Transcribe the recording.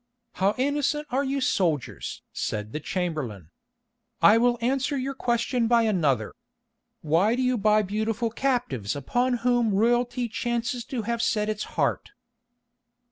"How innocent are you soldiers!" said the chamberlain. "I will answer your question by another. Why do you buy beautiful captives upon whom royalty chances to have set its heart?"